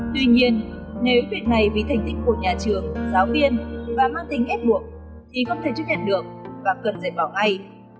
tuy nhiên nếu việc này vì thành tích của nhà trường giáo viên và mang tính ép buộc thì không thể chấp nhận được và cần phải bỏ ngay